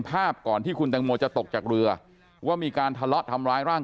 ก่อนที่คุณแตงโมจะตกจากเรือว่ามีการทะเลาะทำร้ายร่าง